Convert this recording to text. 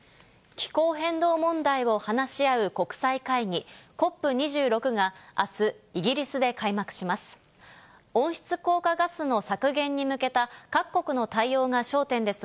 気候変動問題を話し合う国際会議、ＣＯＰ２６があす、イギリスで開幕します。